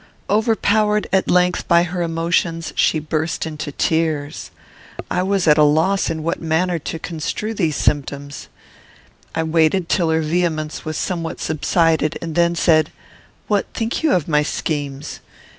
Overpowered, at length, by her emotions, she burst into tears. I was at a loss in what manner to construe these symptoms. I waited till her vehemence was somewhat subsided, and then said, "What think you of my schemes?